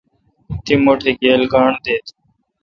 تی مٹھ گیل گانٹھ دیت؟